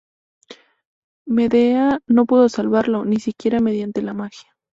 Medea no pudo salvarlo, ni siquiera mediante la magia.